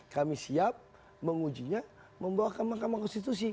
kami siap mengujinya membawakan mahkamah konstitusi